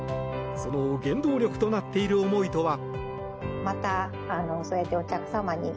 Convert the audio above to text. その原動力となっている思いとは。